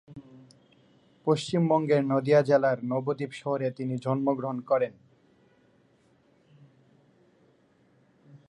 পশ্চিমবঙ্গের নদিয়া জেলার নবদ্বীপ শহরে তিনি জন্মগ্রহণ করেন।